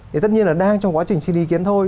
thì tất nhiên là đang trong quá trình xin ý kiến thôi